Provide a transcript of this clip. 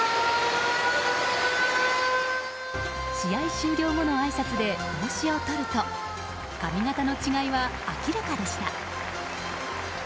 試合終了後のあいさつで帽子を取ると髪形の違いは明らかでした。